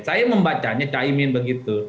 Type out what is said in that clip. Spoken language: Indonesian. saya membacanya cak imin begitu